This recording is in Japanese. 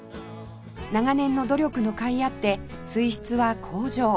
長年の努力のかいあって水質は向上